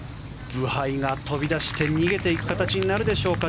ブハイが飛び出して逃げていく形になるでしょうか。